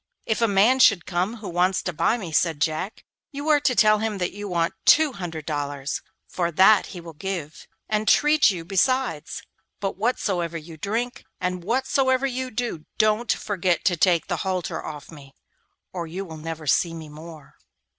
'If a man should come who wants to buy me,' said Jack, 'you are to tell him that you want two hundred dollars, for that he will give, and treat you besides; but whatsoever you drink, and whatsoever you do, don't forget to take the halter off me, or you will never see me more.